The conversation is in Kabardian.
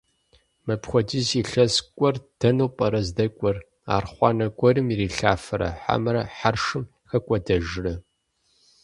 Мыпхуэдиз илъэс кӏуэр дэну пӏэрэ здэкӏуэр? Архъуанэ гуэрым ирилъафэрэ хьэмэрэ хьэршым хэкӏуэдэжрэ?